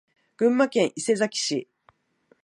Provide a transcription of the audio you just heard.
群馬県伊勢崎市